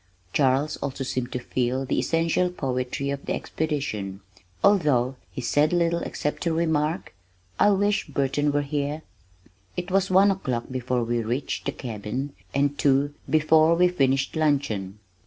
Charles also seemed to feel the essential poetry of the expedition, although he said little except to remark, "I wish Burton were here." It was one o'clock before we reached the cabin and two before we finished luncheon.